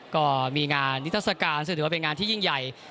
ก็มีงานนิทัศกาลซึ่งถือว่าเป็นงานที่ยิ่งใหญ่